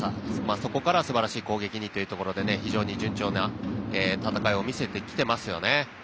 そこからすばらしい攻撃にというところで非常に順調な戦いを見せてきていますよね。